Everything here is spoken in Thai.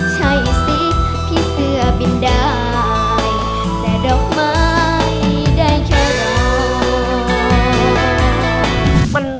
ใช่สิพี่เสื้อบินได้แต่ดอกไม้ได้แค่รอ